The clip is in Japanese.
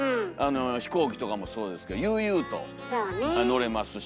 飛行機とかもそうですけど悠々と乗れますし。